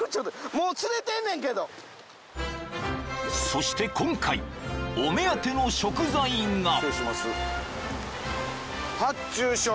［そして今回お目当ての食材が］